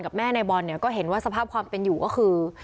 กับแม่นายบอลก็เห็นว่าสภาพความเป็นอยู่ก็คือ